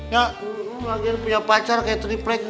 ya akhirnya punya pacar kayak tripleg